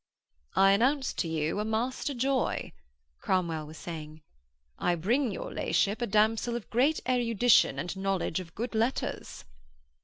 'I announce to you a master joy,' Cromwell was saying. 'I bring your La'ship a damsel of great erudition and knowledge of good letters.'